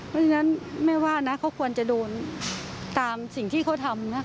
เพราะฉะนั้นไม่ว่านะเขาควรจะโดนตามสิ่งที่เขาทำนะ